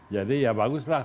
jadi ya baguslah